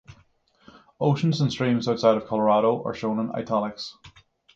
Oceans and streams outside of Colorado are shown in "italics".